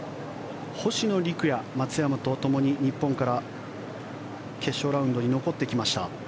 星野陸也、松山とともに日本から決勝ラウンドに残ってきました。